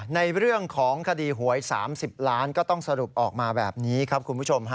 ในเรื่องของคดีหวย๓๐ล้านก็ต้องสรุปออกมาแบบนี้ครับคุณผู้ชม